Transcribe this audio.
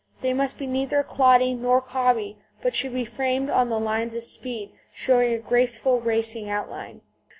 They must be neither cloddy or cobby, but should be framed on the lines of speed, showing a graceful racing outline.